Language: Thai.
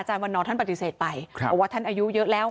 วันนอร์ท่านปฏิเสธไปบอกว่าท่านอายุเยอะแล้ว